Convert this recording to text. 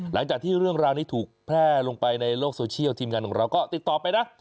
หลังจากที่เรื่องราวนี้ถูกแพร่ลงไปในโลกโซเชียลทีมงานของเราก็ติดต่อไปนะ